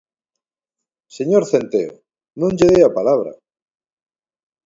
Señor Centeo, non lle dei a palabra.